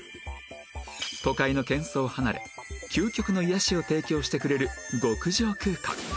都会の喧騒を離れ究極の癒やしを提供してくれる極上空間